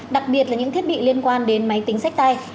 đặc biệt là những thiết bị liên quan đến máy tính sách tay